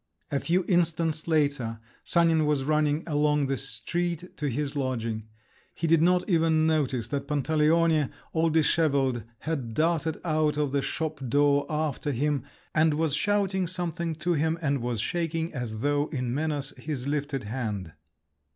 A few instants later Sanin was running along the street to his lodging. He did not even notice that Pantaleone, all dishevelled, had darted out of the shop door after him, and was shouting something to him and was shaking, as though in menace, his lifted hand.